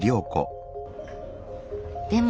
でも。